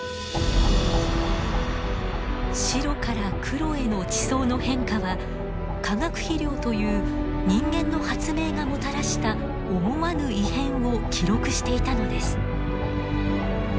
白から黒への地層の変化は化学肥料という人間の発明がもたらした思わぬ異変を記録していたのです。